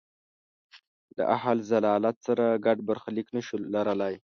له اهل ضلالت سره ګډ برخلیک نه شو لرلای.